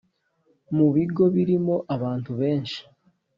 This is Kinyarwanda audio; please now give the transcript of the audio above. mu bigo birimo abantu benshi